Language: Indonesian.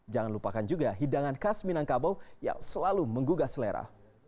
jangan lupakan juga hidangan khas minangkabau yang selalu menggugah selera